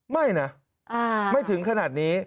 ไม่นะไม่ถึงขนาดนี้